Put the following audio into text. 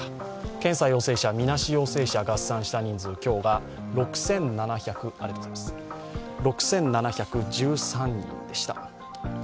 検査陽性者、みなし陽性者合算した人数、今日が６７１３人でした。